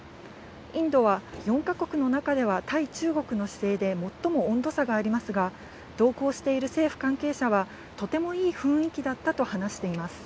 インドは４か国の中では対中国の姿勢で最も温度差がありますが、同行している政府関係者はとてもいい雰囲気だったと話しています。